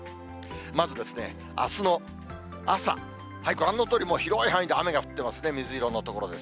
まず、あすの朝、ご覧のとおり、広い範囲で雨が降っていますね、水色の所です。